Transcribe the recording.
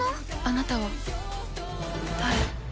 あなたは誰？